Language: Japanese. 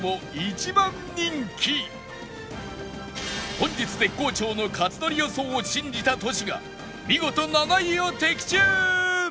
本日絶好調の克典予想を信じたトシが見事７位を的中！